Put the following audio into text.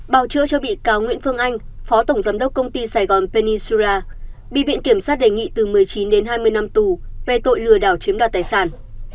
bào chữa cho bị cáo nguyễn phương anh phó tổng giám đốc công ty sài gòn penny sra bị viện kiểm sát đề nghị từ một mươi chín đến hai mươi năm tù về tội lừa đảo chiếm đoạt tài sản